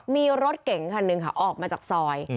มีรถเก๋งคันหนึ่งค่ะออกมาจากซอย